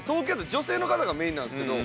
の方がメインなんですけど。